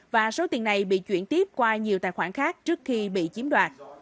và số tiền này bị chuyển tiếp qua nhiều tài khoản khác trước khi bị chiếm đoạt